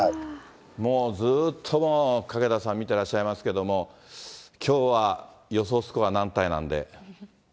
もうずっと、もう懸田さん、見てらっしゃいますけど、きょうは予想スコア、何対何で？